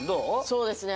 そうですね